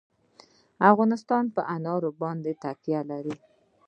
افغانستان په انار باندې تکیه لري.